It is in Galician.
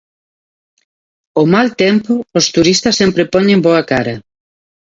Ao mal tempo os turistas sempre poñen boa cara.